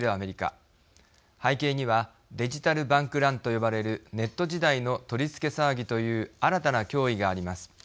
背景にはデジタル・バンク・ランと呼ばれるネット時代の取り付け騒ぎという新たな脅威があります。